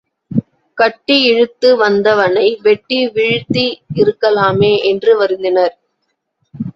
கட்டி இழுத்து வந்தவனை வெட்டி வீழ்த்தி இருக்கலாமே என்று வருந்தினர்.